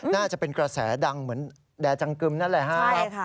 น่าจะเป็นกระแสดังเหมือนแด่จังกึมนั่นแหละครับ